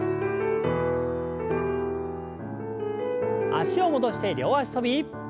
脚を戻して両脚跳び。